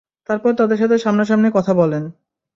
তারপর তাদের সাথে সামনা-সামনি কথা বলেন।